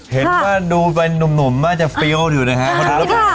เห็นว่าดูวันนุ่มจะฟิลดอยู่นะครับ